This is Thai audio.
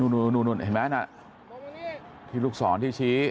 นู้ะเห็นมั้ยนะที่ลูกศรที่ชี้